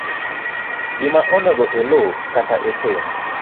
Gima onego ilu kata itim;